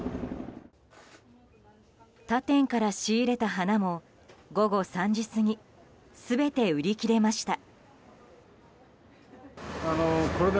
他店から仕入れた花も午後３時過ぎ全て売り切れました。